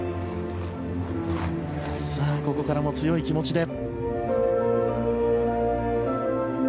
ここからも強い気持ちで。